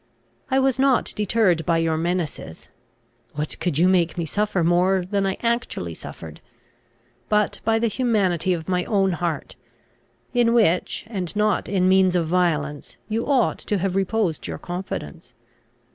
I was not deterred by your menaces (what could you make me suffer more than I actually suffered?) but by the humanity of my own heart; in which, and not in means of violence, you ought to have reposed your confidence.